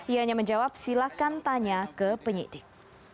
ianya menjawab silahkan tanya ke penyidik